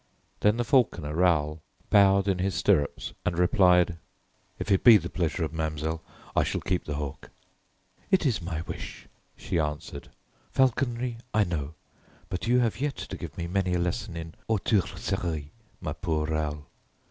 Then the falconer Raoul bowed in his stirrups and replied: "If it be the pleasure of Mademoiselle, I shall keep the hawk." "It is my wish," she answered. "Falconry I know, but you have yet to give me many a lesson in Autourserie, my poor Raoul.